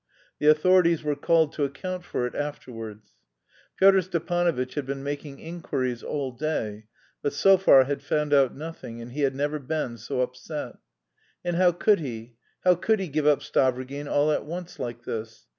(The authorities were called to account for it afterwards.) Pyotr Stepanovitch had been making inquiries all day, but so far had found out nothing, and he had never been so upset. And how could he, how could he give up Stavrogin all at once like this!